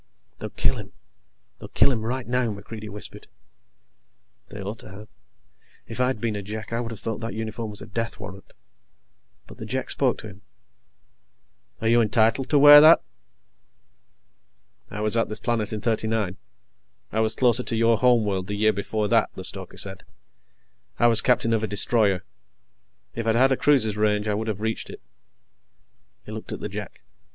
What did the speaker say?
"They'll kill him. They'll kill him right now," MacReidie whispered. They ought to have. If I'd been a Jek, I would have thought that uniform was a death warrant. But the Jek spoke to him: "Are you entitled to wear that?" "I was at this planet in '39. I was closer to your home world the year before that," the stoker said. "I was captain of a destroyer. If I'd had a cruiser's range, I would have reached it." He looked at the Jek.